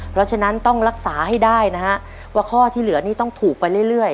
เพราะฉะนั้นต้องรักษาให้ได้นะฮะว่าข้อที่เหลือนี่ต้องถูกไปเรื่อย